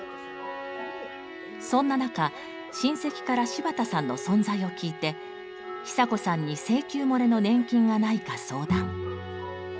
そんな中親戚から柴田さんの存在を聞いてひさこさんに請求もれの年金がないか相談。